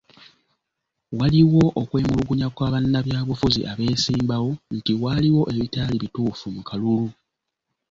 Waliwo okwemulugunya kwa bannabyabufuzi abeesimbawo nti waaliwo ebitaali bituufu mu kalulu.